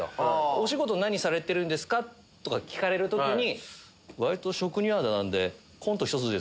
お仕事何されてるんですか？とか聞かれる時に。